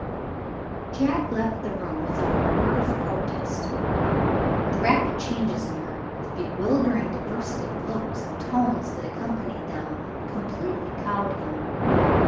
Jack left the room without a word of protest. The rapid changes in her, the bewildering diversity of looks and tones that accompanied them, completely cowed him.